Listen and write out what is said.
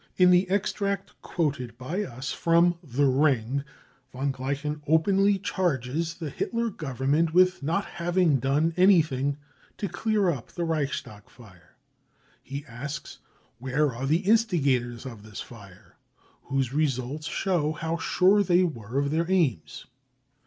In the extract quoted by us from the* Ring, von Gleichen openly charges the Hitler Government with not having done anything to clear up the Reichstag fire. Pie asks : Where are the instigators of this %*e, whose results show how sure they were of their aims